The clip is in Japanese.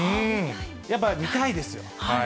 やっぱり見たいですよ。